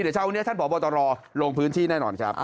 เดี๋ยวเช้าวันนี้ท่านพบตรลงพื้นที่แน่นอนครับ